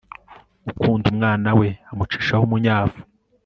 ukunda umwana we amucishaho umunyafu